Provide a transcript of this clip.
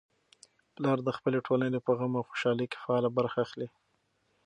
پلار د خپلې ټولنې په غم او خوشالۍ کي فعاله برخه اخلي.